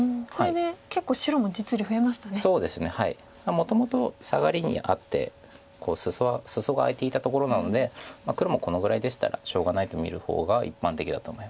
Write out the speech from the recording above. もともとサガリにあってスソが空いていたところなので黒もこのぐらいでしたらしょうがないと見る方が一般的だと思います。